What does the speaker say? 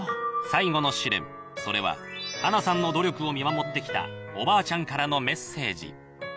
最後の試練、それは、英さんの努力を見守ってきたおばあちゃんからのメッセージ。